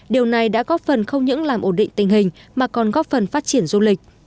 điều này đã góp phần không những làm ổn định tình hình mà còn góp phần phát triển du lịch